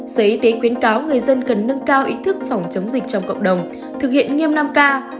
sở y tế khuyến cáo người dân cần nâng cao ý thức phòng chống dịch trong cộng đồng thực hiện nghiêm năm k